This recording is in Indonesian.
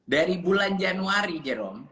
dari bulan januari jerome